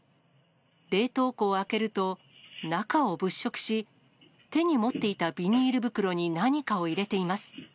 冷凍庫を開けると、中を物色し、手に持っていたビニール袋に何かを入れています。